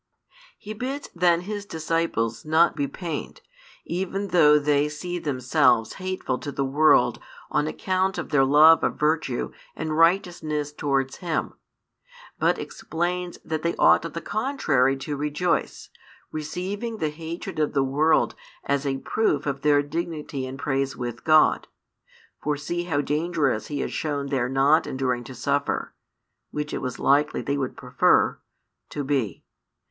He bids then His disciples not be pained, even though they see themselves hateful to the world on account of their love of virtue and righteousness towards Him, but explains that they ought on the contrary to rejoice, receiving the hatred of the world as a proof of their dignity and praise with God. For see how dangerous He has shown their not enduring to suffer (which it was likely they would prefer) to be.